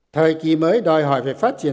thời kỳ mới đòi hỏi về phát triển